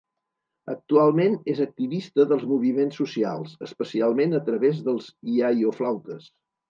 Actualment és activista dels moviments socials, especialment a través dels iaioflautes.